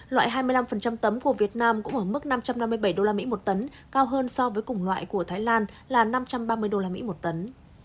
loại hai mươi năm tấm của việt nam cũng ở mức năm trăm năm mươi bảy đô la mỹ một tấn cao hơn so với cùng loại của thái lan là năm trăm ba mươi đô la mỹ một tấn